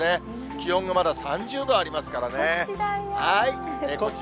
気温がまだ３０度ありますからね。